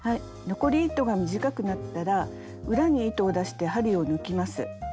残り糸が短くなったら裏に糸を出して針を抜きます。